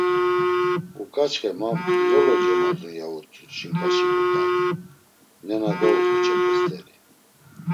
Uǩaçxe: “Ma Lolo cemozun.” ya utzu ç̌inǩaşi ǩut̆avi, nena dou ǩoçepe st̆eri.